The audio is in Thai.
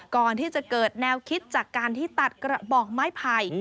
ก่อนที่จะเกิดแนวคิดจากการที่ตัดกระบอกไม้ไผ่